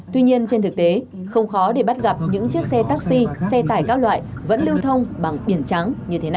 tuy nhiên trên thực tế không khó để bắt gặp những chiếc xe taxi xe tải các loại vẫn lưu thông bằng biển trắng